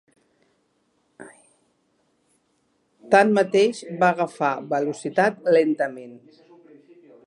Tanmateix, va agafar velocitat lentament.